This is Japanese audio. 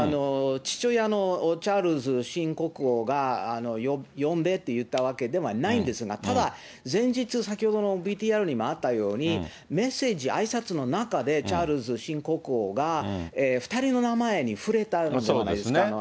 父親のチャールズ新国王が呼んでって言ったわけではないんですが、ただ、前日、先ほどのＶＴＲにもあったように、メッセージ、あいさつの中で、チャールズ新国王が２人の名前に触れたじゃないですか。